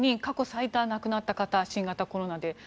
過去最多の亡くなった方新型コロナで。